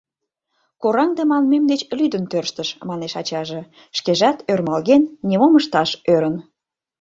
— «Кораҥде» манмем деч лӱдын тӧрштыш, — манеш ачаже, шкежат ӧрмалген, нимом ышташ ӧрын.